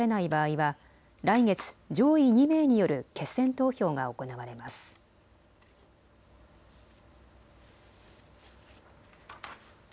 当選に必要な要件が満たされない場合は来月、上位２名による決選投票が行われます。